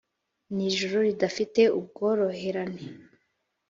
n'ijoro ridafite ubworoherane,